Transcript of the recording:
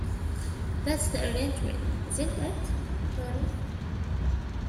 That's the arrangement, isn't it, Tony?